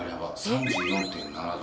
３４．７℃。